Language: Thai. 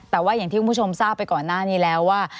แต่ว่าอย่างที่คุณผู้ชมทราบไปก่อนหน้านี้แล้วว่า